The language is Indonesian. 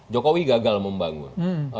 jokowi gagal membangun